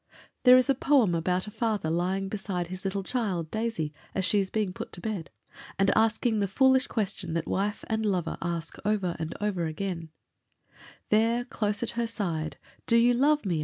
There is a poem about a father lying beside his little child, Daisy, as she is being put to bed, and asking the foolish question that wife and lover ask over and over again: There, close at her side, "Do you love me?"